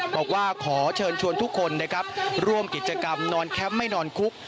บอกว่าขอเชิญชวนทุกคนนะครับร่วมกิจกรรมนอนแคมป์ไม่นอนคุก